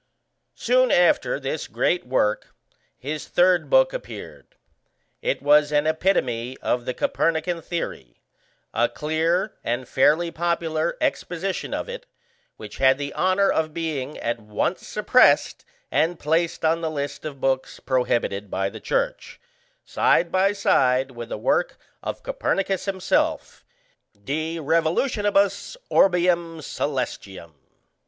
Soon after this great work his third book appeared: it was an epitome of the Copernican theory, a clear and fairly popular exposition of it, which had the honour of being at once suppressed and placed on the list of books prohibited by the Church, side by side with the work of Copernicus himself, De Revolutionibus Orbium Coelestium.